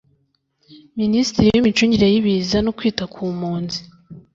Minisitiri w’Imicungire y’Ibiza no kwita ku mpunzi